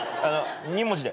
２文字で。